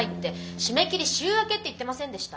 締め切り週明けって言ってませんでした？